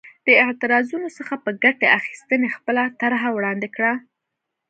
د اعتراضونو څخه په ګټې اخیستنې خپله طرحه وړاندې کړه.